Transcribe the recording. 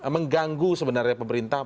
mengganggu sebenarnya pemerintah